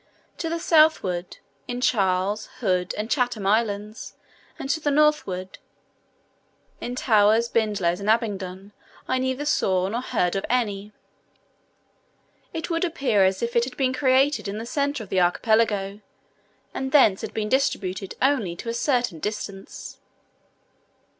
To the southward, in Charles, Hood, and Chatham islands, and to the northward, in Towers, Bindloes, and Abingdon, I neither saw nor heard of any. It would appear as if it had been created in the centre of the archipelago, and thence had been dispersed only to a certain distance.